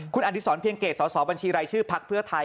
คุณอดิษรเพียงเกตสสบัญชีรายชื่อพักเพื่อไทย